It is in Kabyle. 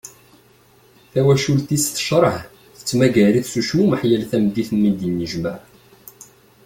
Tawacult-is tecreh, tettmagar-it s ucmumeḥ yal tameddit mi d-yennejmaɛ.